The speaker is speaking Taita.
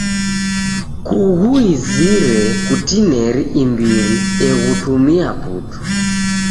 Kughuizire kutineri imbiri eghutumia putu.